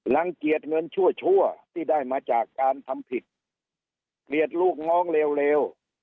รังเกียจเงินชั่วที่ได้มาจากการทำผิดเกลียดลูกน้องเร็ว